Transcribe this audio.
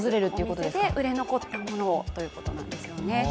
お店で売れ残ったものをということですね。